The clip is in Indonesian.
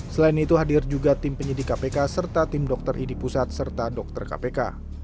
selain itu hadir juga tim penyidik kpk serta tim dokter idi pusat serta dokter kpk